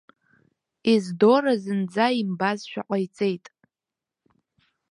Ездора зынӡа имбазшәа ҟаиҵеит.